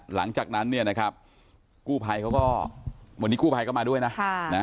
หลังจากนั้นเนี่ยนะครับกู้ภัยเขาก็วันนี้กู้ภัยก็มาด้วยนะ